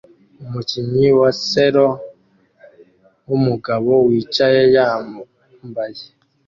Umukinnyi wa selo wumugabo wicaye yambaye